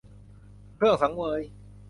เครื่องสังเวย